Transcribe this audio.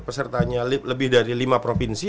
pesertanya lebih dari lima provinsi